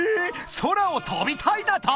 空を飛びたいだと！？］